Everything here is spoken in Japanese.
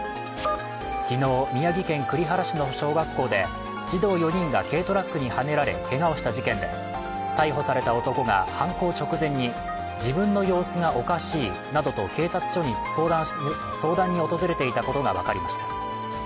昨日、宮城県栗原市の小学校で児童４人が軽トラックにはねられけがをした事件で逮捕された男が、犯行直前に自分の様子がおかしいなどと、警察署に相談に訪れていたことが分かりました。